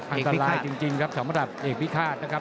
อันตรายจริงครับสำหรับเอกพิฆาตนะครับ